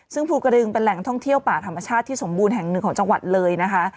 ซึ่งภูกระดึงเป็นแหล่งท่องเที่ยวป่าธรรมชาติที่สมบูรณ์แห่งหนึ่งของจังหวัดเลยนะคะ